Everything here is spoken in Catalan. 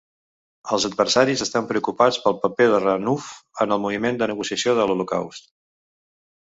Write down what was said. Els adversaris estan preocupats pel paper de Renouf en el moviment de negació de l'Holocaust.